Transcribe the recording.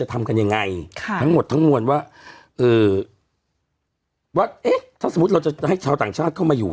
ทั้งหมดทั้งมวลว่าเอ่อว่าเอ๊ะถ้าสมมติเราจะให้ชาวต่างชาติเข้ามาอยู่